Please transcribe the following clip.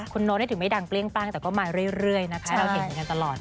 คุณโน๊ตนี่ถึงไม่ดังเปลี่ยงปั้งแต่ก็มาเรื่อยนะครับ